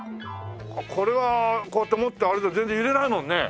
これはこうやって持って歩いても全然揺れないもんね！